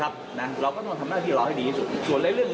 ว่าสมมติแทนการทำหน้าที่ลำน้ำมันไม่ถึง